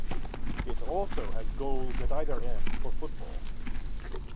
It also has goals at either end for football.